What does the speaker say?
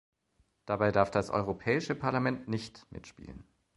Dabei darf das Europäische Parlament nicht mitspielen.